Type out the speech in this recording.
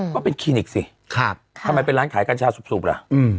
ก็เป็นคลินิกสิทำไมเป็นร้านขายกัญชาสูบล่ะ